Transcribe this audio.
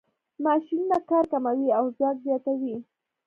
ماشینونه کار کموي او ځواک زیاتوي.